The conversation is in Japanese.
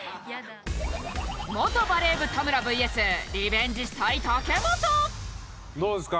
元バレー部田村ＶＳリベンジしたい武元どうですか？